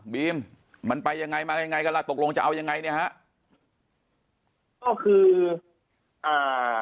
บีมมันไปยังไงมายังไงยังไงกันล่ะตกลงจะเอายังไงเนี่ยฮะก็คืออ่า